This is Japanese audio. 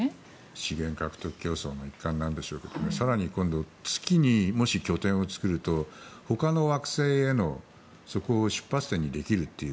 資源獲得競争の一環なんでしょうけど更に今度、月にもし拠点を作るとほかの惑星への出発点にできるという。